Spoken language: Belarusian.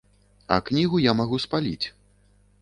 А кнігу я магу спаліць.